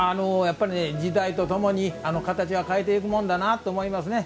時代とともに形は変えていくもんだなと思いますね。